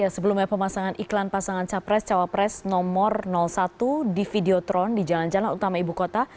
sebelumnya pemasangan iklan pasangan capres cawapres nomor satu di videotron di jalan jalan utama ibu kota